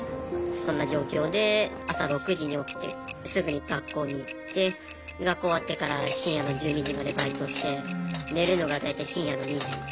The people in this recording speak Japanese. そんな状況で朝６時に起きてすぐに学校に行って学校終わってから深夜の１２時までバイトして寝るのが大体深夜の２時。